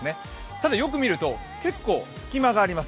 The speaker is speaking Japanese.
ただ、よく見ると結構隙間があります。